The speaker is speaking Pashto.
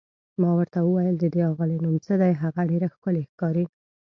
ما ورته وویل: د دې اغلې نوم څه دی، هغه ډېره ښکلې ښکاري؟